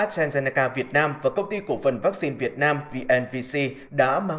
trên địa bàn tp hcm